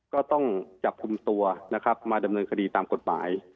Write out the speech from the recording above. ก็ต้องจับกลุ่มตัวนะครับมาดำเนินคดีตามกฎหมาย